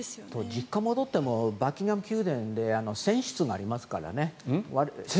実家に戻ってもバッキンガム宮殿で１０００室ありますからね。